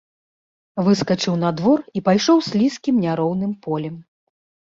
Выскачыў на двор і пайшоў слізкім няроўным полем.